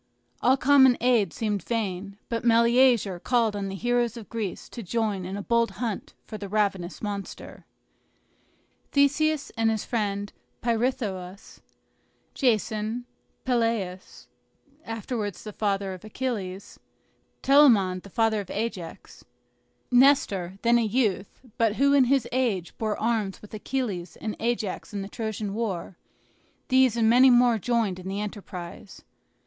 All common aid seemed vain; but Meleager called on the heroes of Greece to join in a bold hunt for the ravenous monster. Theseus and his friend Pirithous, Jason, Peleus, afterwards the father of Achilles, Telamon the father of Ajax, Nestor, then a youth, but who in his age bore arms with Achilles and Ajax in the Trojan war, these and many more joined in the enterprise.